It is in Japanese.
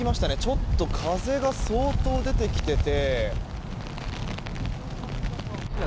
ちょっと風が相当出てきていて。